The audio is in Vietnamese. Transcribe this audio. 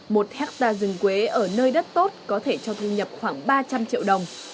một hectare rừng quế ở nơi đất tốt có thể cho thu nhập khoảng ba trăm linh triệu đồng